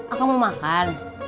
aku mau makan